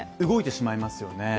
動いてしまいますよね。